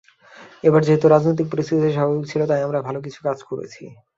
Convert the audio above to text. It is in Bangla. এবার যেহেতু রাজনৈতিক পরিস্থিতি স্বাভাবিক ছিল, তাই আমরা ভালো কিছু কাজ করেছি।